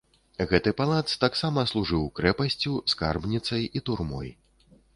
Гэты палац таксама служыў крэпасцю, скарбніцай і турмой.